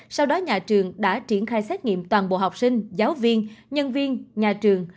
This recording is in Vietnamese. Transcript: sau đó nhà trường đã triển khai xét nghiệm toàn bộ học sinh giáo viên nhân viên nhà trường